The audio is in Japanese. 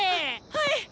はい！